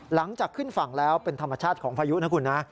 หลังจากขึ้นฝั่งแล้วเป็นธรรมชาติของพายุนะคุณนะ